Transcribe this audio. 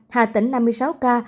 hà tỉnh năm mươi sáu ca